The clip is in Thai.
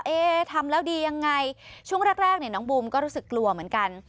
เอ๊ทำแล้วดียังไงช่วงแรกเนี่ยน้องบูมก็รู้สึกกลัวเหมือนกัน